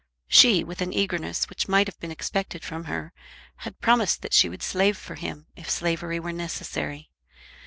She, with an eagerness which might have been expected from her, had promised that she would slave for him, if slavery were necessary.